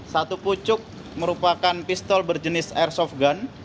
satu pucuk merupakan pistol berjenis airsoft gun